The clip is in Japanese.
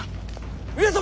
上様！